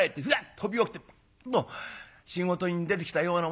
飛び起きてパッと仕事に出てきたようなもんでね。